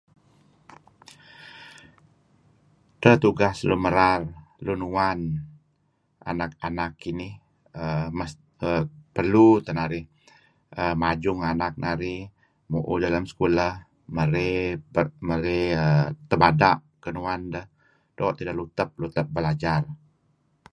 Edtah tugas lun merar, lun uwan anak-anak kinih err perlu teh narih err majung anak narih, mu'uh deh lem sekulah, merey ]er] tebada' kenuan deh doo' tideh lutep-lutep belajar